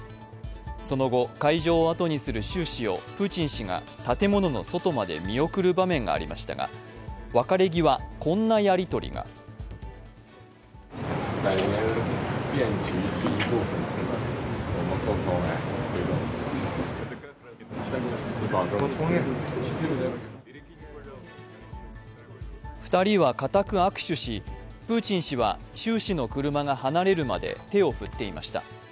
その後会場をあとにする習氏をプーチン氏が建物の外まで見送る場面がありましたが別れ際、こんなやりとりが２人は固く握手し、習氏の車が離れるまで手を振っていました。